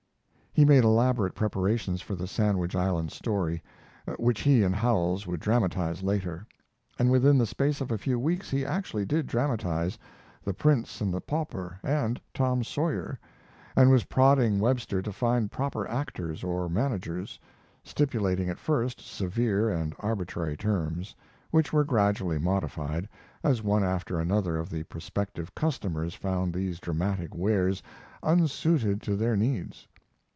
He made elaborate preparations for the Sandwich Islands story, which he and Howells would dramatize later, and within the space of a few weeks he actually did dramatize 'The Prince and the Pauper' and 'Tom Sawyer', and was prodding Webster to find proper actors or managers; stipulating at first severe and arbitrary terms, which were gradually modified, as one after another of the prospective customers found these dramatic wares unsuited to their needs.